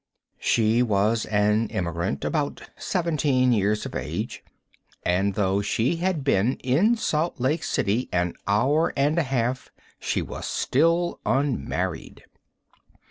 She was an emigrant, about seventeen years of age, and, though she had been in Salt Lake City an hour and a half, she was still unmarried.